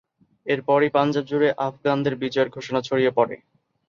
এরপরই পাঞ্জাব জুড়ে আফগানদের বিজয়ের ঘোষণা ছড়িয়ে পরে।